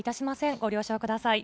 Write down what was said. ご了承ください。